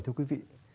thưa quý vị